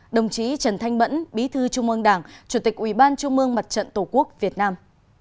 đồng chí trần thanh bẫn bí thư trung ương đảng chủ tịch ubnd tổ quốc việt nam